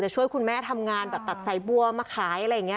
ช่วยคุณแม่ทำงานแบบตัดสายบัวมาขายอะไรอย่างนี้